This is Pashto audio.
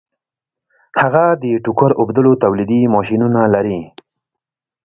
هغه د ټوکر اوبدلو تولیدي ماشینونه لري